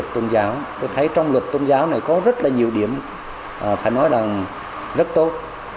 tôi thấy trong luật tôn giáo này có rất là nhiều điểm phải nói là rất tốt